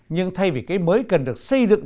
nhưng thay vì cây mới cần được xây dựng